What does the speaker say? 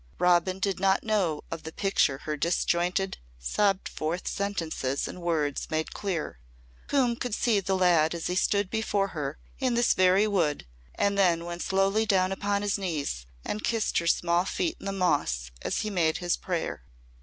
Robin did not know of the picture her disjointed, sobbed forth sentences and words made clear. Coombe could see the lad as he stood before her in this very Wood and then went slowly down upon his knees and kissed her small feet in the moss as he made his prayer.